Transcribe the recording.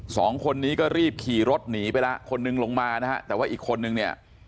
สองคนนี้ก็รีบขี่รถหนีไปแล้วคนนึงลงมานะฮะแต่ว่าอีกคนนึงเนี่ย